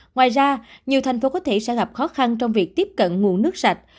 ngoài ra nhiều thành phố có thể sẽ gặp khó khăn trong việc tiếp cận nguồn nước sạch